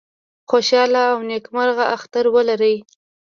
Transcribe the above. خوشاله او نیکمرغه اختر ولرئ